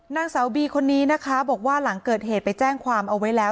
นางสาวบีคนนี้นะคะบอกว่าหลังเกิดเหตุไปแจ้งความเอาไว้แล้ว